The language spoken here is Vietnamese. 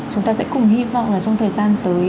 chúng ta sẽ cùng hy vọng là trong thời gian tới